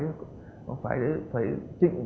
phải trịnh sát phải trịnh sát phải trịnh sát